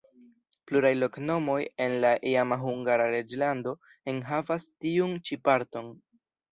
Pluraj loknomoj en la iama Hungara reĝlando enhavas tiun ĉi parton.